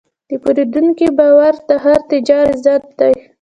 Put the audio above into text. د پیرودونکي باور د هر تجارت عزت دی.